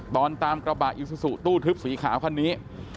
ตอนตามกระบะอิสุสุตู้ทึบสีขาวคันนี้